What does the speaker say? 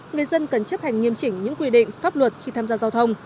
người dân cần chấp hành nghiêm chỉnh những quy định pháp luật khi tham gia giao thông